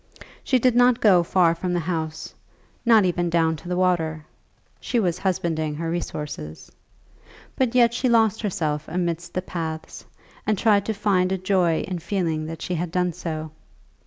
She did not go far from the house, not even down to the water. She was husbanding her resources. But yet she lost herself amidst the paths, and tried to find a joy in feeling that she had done so.